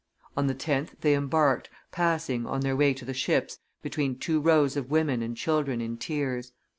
On the 10th they embarked, passing, on their way to the ships, between two rows of women and children in tears.